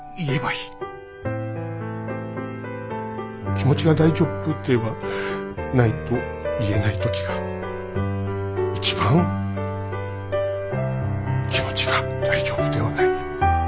気持ちが大丈夫って言えない時が一番気持ちが大丈夫ではない。